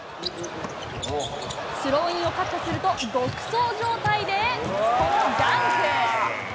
スローインをカットすると、独走状態でこのダンク。